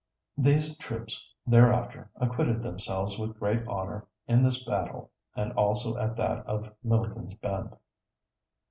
" These troops thereafter acquitted themselves with great honor in this battle and also at that of Milliken's Bend.